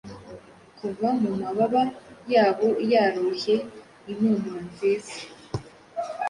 Kuva mumababa yabo yorohye, impumuro nziza